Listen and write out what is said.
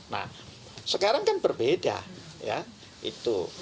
nah sekarang kan berbeda ya itu